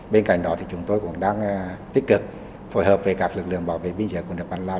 bên cạnh đó chúng tôi cũng đang tích cực phối hợp với các lực lượng bảo vệ biên giới của nước la lai